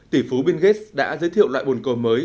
tỷ phú bill gates đã giới thiệu loại bồn cầu mới